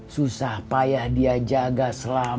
susah payah dia jaga selama tiga puluh tahun